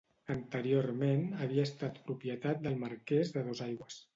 Anteriorment havia estat propietat del Marqués de Dosaigües.